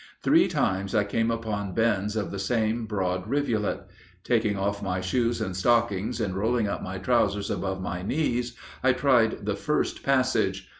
Three times I came upon bends of the same broad rivulet. Taking off my shoes and stockings and rolling up my trousers above my knees, I tried the first passage.